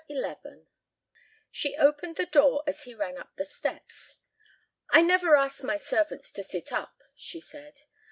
XI She opened the door as he ran up the steps. "I never ask my servants to sit up," she said.